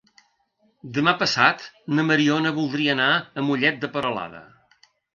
Demà passat na Mariona voldria anar a Mollet de Peralada.